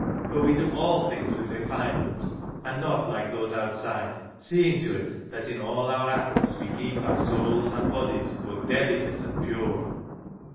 For we do all things with refinement, and not like those outside, seeing to it that in all our acts we keep our souls and bodies both delicate and pure."